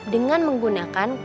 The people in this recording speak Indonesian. dengan menggunakan koneksi